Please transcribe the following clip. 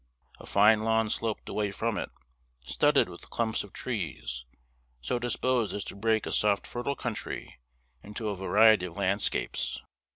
A fine lawn sloped away from it, studded with clumps of trees, so disposed as to break a soft fertile country into a variety of landscapes.